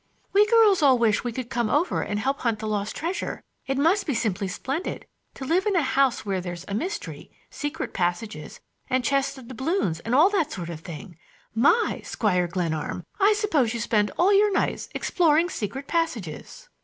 "We girls all wish we could come over and help hunt the lost treasure. It must be simply splendid to live in a house where there's a mystery,—secret passages and chests of doubloons and all that sort of thing! My! Squire Glenarm, I suppose you spend all your nights exploring secret passages."